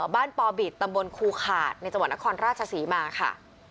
ปอบิตตำบลครูขาดในจังหวัดนครราชศรีมาค่ะ